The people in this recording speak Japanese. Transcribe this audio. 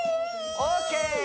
オーケー！